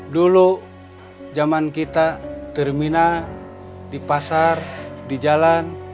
dulu zaman kita terminal di pasar di jalan